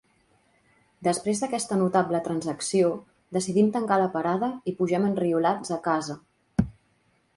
Després d'aquesta notable transacció decidim tancar la parada i pugem enriolats a casa.